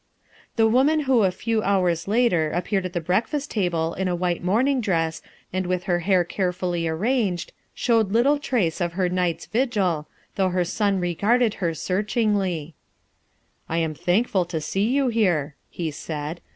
The woman who a few hours later appeared at the breakfast table in a white morning dress and with her hair carefully arranged, showed little trace of her night's vigil, though her son regarded her searchingly, U I am thankful to see you here," he said.